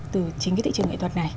từ chính cái thị trường nghệ thuật này